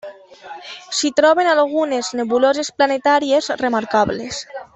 S'hi troben algunes nebuloses planetàries remarcables.